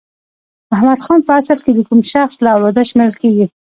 محمد خان په اصل کې د کوم شخص له اولاده شمیرل کیږي؟